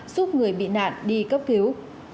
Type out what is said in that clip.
giúp người bị nạn đi cấp cứu